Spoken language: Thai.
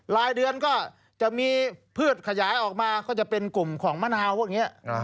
รายเดือนก็จะมีพืชขยายออกมาก็จะเป็นกลุ่มของมะนาวพวกนี้